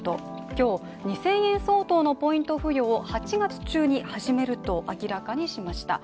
今日、２０００円相当のポイント付与を８月中に始めると明らかにしました。